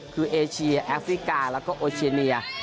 คือเอเชียแอฟริกาแล้วก็โอเชียเนีย